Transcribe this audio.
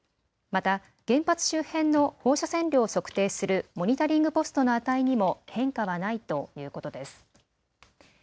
また原発周辺の放射線量を測定するモニタリングポストの値にも変化はないということです。